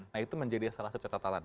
nah itu menjadi salah satu catatan